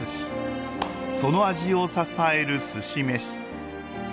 その味を支えるすし飯。